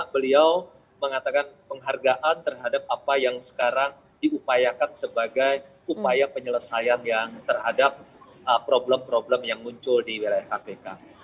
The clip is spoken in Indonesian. beliau mengatakan penghargaan terhadap apa yang sekarang diupayakan sebagai upaya penyelesaian yang terhadap problem problem yang muncul di wilayah kpk